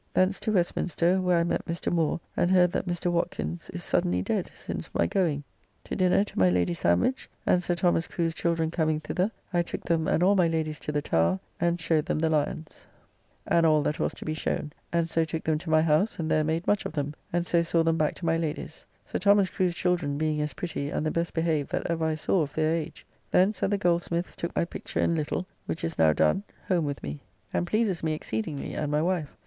Thence to Westminster, where I met Mr. Moore, and hear that Mr. Watkins' is suddenly dead since my going. To dinner to my Lady Sandwich, and Sir Thomas Crew's children coming thither, I took them and all my Ladys to the Tower and showed them the lions [The Tower Menagerie was not abolished until the reign of William IV.] and all that was to be shown, and so took them to my house, and there made much of them, and so saw them back to my Lady's. Sir Thomas Crew's children being as pretty and the best behaved that ever I saw of their age. Thence, at the goldsmith's, took my picture in little, [Miniature by Savill] which is now done, home with me, and pleases me exceedingly and my wife.